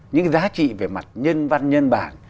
những giá trị về mặt nhân văn nhân bản